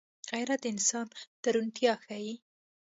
غیرت د انسان درونتيا ښيي